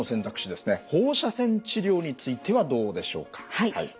放射線治療についてはどうでしょうか。